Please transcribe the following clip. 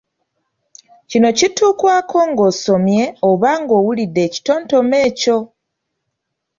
Kino kituukwako ng’osomye oba nga owulidde ekitontome ekyo.